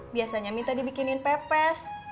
biasanya minta dibikinin pepes